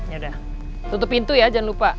ya udah tutup pintu ya jangan lupa